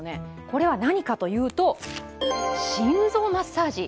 これは何かというと、心臓マッサージ。